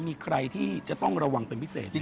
มีใครที่จะต้องระวังเป็นพิเศษ